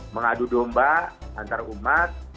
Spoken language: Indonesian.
mengadu domba antarumat